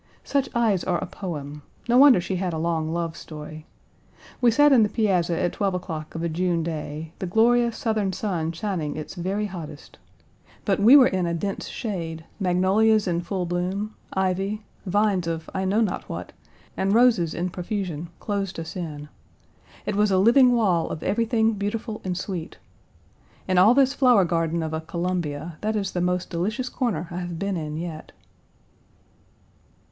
Such eyes are a poem. No wonder she had a long love story. We sat in the piazza at twelve o'clock of a June day, the glorious Southern sun shining its very hottest. But we were in a dense shade magnolias in full bloom, ivy, vines of I know not what, and roses in profusion closed us in. It was a living wall of everything beautiful and sweet. In all this flower garden of a Columbia, that is the most delicious corner I have been in yet.